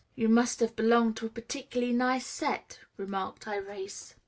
"You must have belonged to a particularly nice set," remarked Irais.